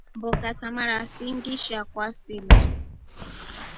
Mboka sa mara singisha kwasila.